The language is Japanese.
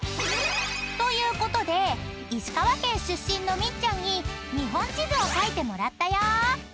［ということで石川県出身のみっちゃんに日本地図を描いてもらったよ］